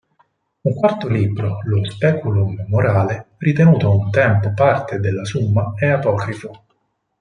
Un quarto libro, lo "Speculum morale", ritenuto un tempo parte della "summa", è apocrifo.